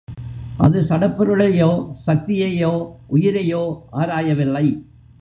அது சடப் பொருளையோ, சக்தியையோ, உயிரையோ, ஆராயவில்லை.